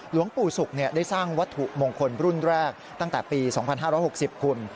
หลวงปู่ศุกร์ได้สร้างวัตถุมงคลรุ่นแรกตั้งแต่ปี๒๕๖๐คุณ